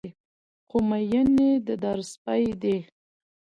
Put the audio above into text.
خو مين يې د در سپى دى